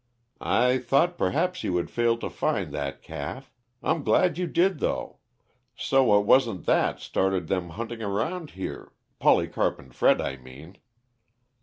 "I thought perhaps you had failed to find that calf; I'm glad you did, though so it wasn't that started them hunting around here Polycarp and Fred I mean."